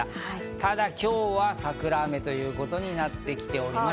ただ今日は桜雨ということになってきております。